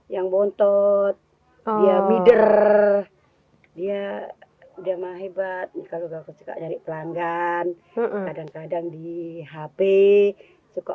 yang bontot ya bider dia dia mah hebat kalau suka nyari pelanggan kadang kadang di hp suka